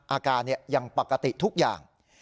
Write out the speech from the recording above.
อาการยังปกติทุกอย่าง